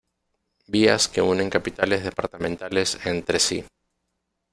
Vías que unen capitales departamentales entre sí.